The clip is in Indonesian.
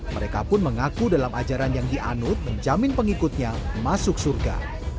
mereka pun mengaku dalam ajaran yang dianut menjamin pengikutnya masuk surga